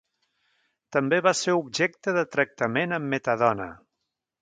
També va ser objecte de tractament amb metadona.